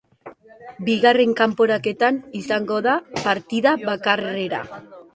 Bigarren kanporaketan izango da, partida bakarrera.